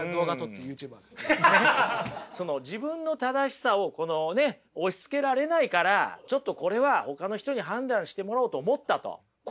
その自分の正しさをこのね押しつけられないからちょっとこれはほかの人に判断してもらおうと思ったと。